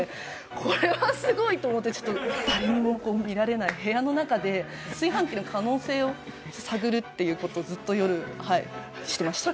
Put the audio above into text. これはすごいと思って誰にも見られない部屋の中で炊飯器の可能性を探るっていう事をずっと夜はいしてました。